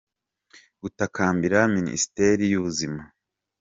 gutakambira Minisiteri y’Ubuzima.